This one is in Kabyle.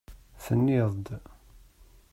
Tenniḍ-d.